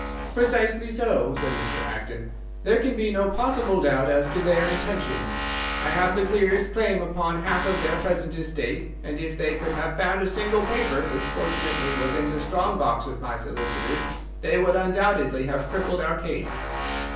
"Precisely so," said Mr. Acton. "There can be no possible doubt as to their intentions. I have the clearest claim upon half of their present estate, and if they could have found a single paper—which, fortunately, was in the strong box of my solicitors—they would undoubtedly have crippled our case."